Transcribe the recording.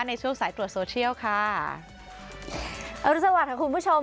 ในช่วงสายตรวจโซเชียลค่ะอรุณสวัสดิค่ะคุณผู้ชม